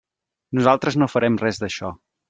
Nosaltres no farem res d'això.